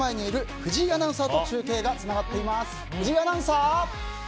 藤井アナウンサー！